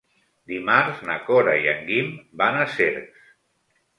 Dimarts na Cora i en Guim van a Cercs.